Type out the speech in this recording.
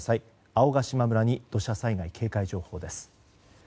青ヶ島村に土砂災害警戒情報です。